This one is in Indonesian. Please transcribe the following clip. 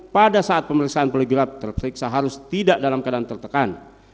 pada saat pemeriksaan poligraf terperiksa harus tidak dalam keadaan tertekan